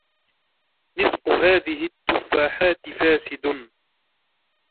نصف هذه التفاحات فاسد.